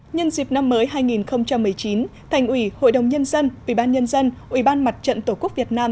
nhân dịp năm mới hai nghìn một mươi chín thành ủy hội đồng nhân dân ủy ban nhân dân ủy ban mặt trận tổ quốc việt nam